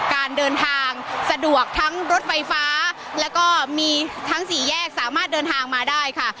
การเดินทางสะดวกทั้งรถไฟฟ้าแล้วก็มีทั้งสี่แยกสามารถเดินทางมาได้ค่ะ